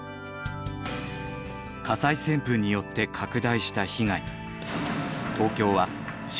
火災旋風によって拡大した被害。